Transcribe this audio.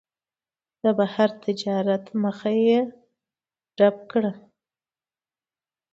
د بهر تجارت مخه یې ډپ کړه.